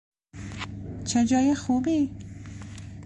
چه جای خوبی!